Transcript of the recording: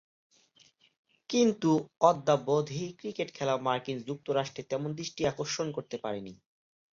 কিন্তু অদ্যাবধি ক্রিকেট খেলা মার্কিন যুক্তরাষ্ট্রে তেমন দৃষ্টি আকর্ষণ করতে পারেনি।